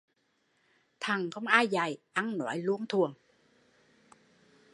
Thằng không ai dạy, ăn nói luông thuồng